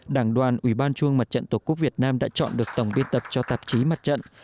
đảng đoàn ủy ban trung mặt trận tổ quốc việt nam đã chọn được tổng biên tập cho tạp chí mặt trận